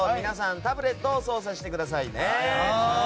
タブレットを操作してください。